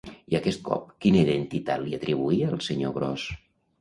I aquest cop, quina identitat li atribuïa, el senyor gros?